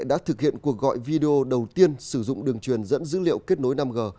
đã thực hiện cuộc gọi video đầu tiên sử dụng đường truyền dẫn dữ liệu kết nối năm g